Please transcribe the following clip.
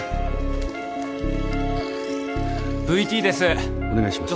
ＶＴです！